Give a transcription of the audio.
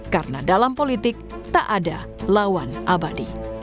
karena dalam politik tak ada lawan abadi